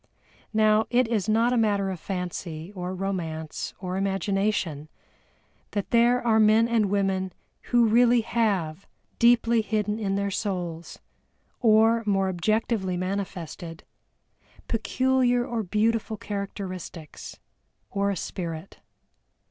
Now, it is not a matter of fancy, of romance, or imagination, that there are men and women who really have, deeply hidden in their souls, or more objectively manifested, peculiar or beautiful characteristics, or a spirit.